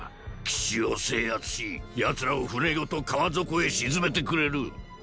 岸を制圧し奴らを舟ごと河底へ沈めてくれる。